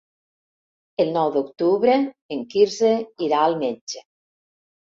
El nou d'octubre en Quirze irà al metge.